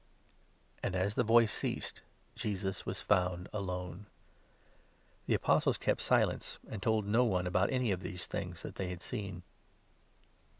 " And, as the voice ceased, Jesus was found alone. The 36 Apostles kept silence, and told no one about any of the things that they had seen.